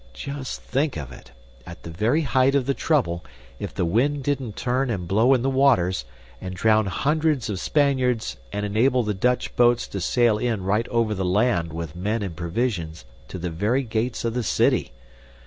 Just think of it! At the very height of the trouble, if the wind didn't turn and blow in the waters, and drown hundreds of Spaniards and enable the Dutch boats to sail in right over the land with men and provisions to the very gates of the city.